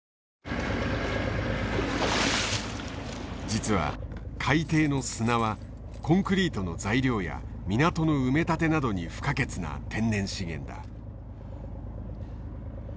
実は海底の砂はコンクリートの材料や港の埋め立てなどに不可欠な天然資源だ。